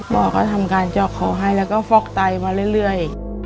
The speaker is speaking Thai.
หมอก็ทำการเจาะคอให้แล้วก็ฟอกไตมาเรื่อย